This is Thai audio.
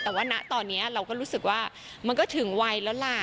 แต่ว่าณตอนนี้เราก็รู้สึกว่ามันก็ถึงวัยแล้วล่ะ